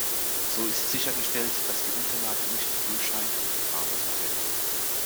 So ist sichergestellt, dass die Unterlage nicht durchscheint und die Farbe verfälscht.